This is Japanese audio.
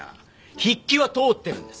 筆記は通ってるんです！